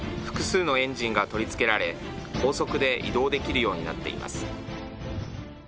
複数のエンジンが取り付けられ、高速で移動できるようになっています。